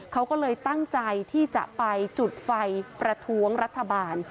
เขาก็เลยตั้งใจที่จะไปจุดไฟประท้วงรัฐบาล